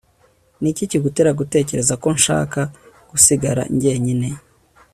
niki kigutera gutekereza ko nshaka gusigara njyenyine